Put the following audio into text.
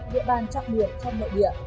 địa bàn trọng biệt trong nội địa